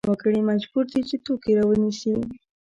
وګړي مجبور دي چې توکې راونیسي.